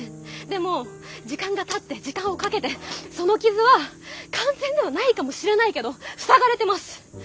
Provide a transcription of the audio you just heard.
でも時間がたって時間をかけてその傷は完全ではないかもしれないけど塞がれてます。